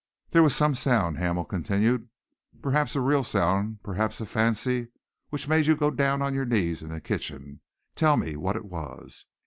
"There was some sound," Hamel continued, "perhaps a real sound, perhaps a fancy, which made you go down on your knees in the kitchen. Tell me what it was."